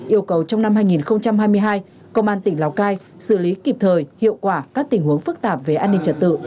yêu cầu trong năm hai nghìn hai mươi hai công an tỉnh lào cai xử lý kịp thời hiệu quả các tình huống phức tạp về an ninh trật tự